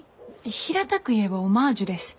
平たく言えばオマージュです。